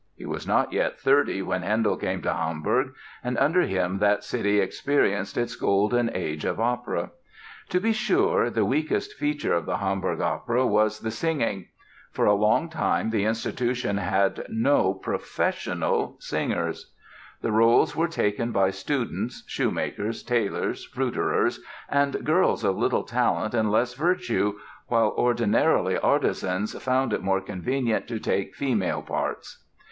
He was not yet 30 when Handel came to Hamburg and under him that city experienced its golden age of opera. To be sure, the weakest feature of the Hamburg Opera was the singing. For a long time the institution had no professional singers. The roles were taken by students, shoemakers, tailors, fruiterers "and girls of little talent and less virtue," while ordinarily artisans "found it more convenient to take female parts."